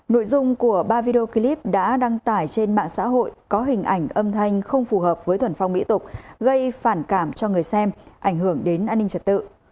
nội dung của ba video clip đã đăng tải trên mạng xã hội có hình ảnh âm thanh không phù hợp với thuần phong mỹ tục gây phản cảm cho người xem ảnh hưởng đến an ninh trật tự